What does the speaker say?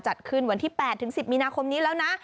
จัดขึ้นวันที่๘๑๐มีนาคมนี้แล้วนะ